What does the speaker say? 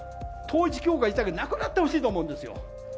統一教会自体がなくなってほしいと思うんですよ。